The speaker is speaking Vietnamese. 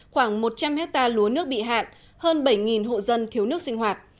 khoảng một trăm linh hectare lúa nước bị hạn hơn bảy hộ dân thiếu nước sinh hoạt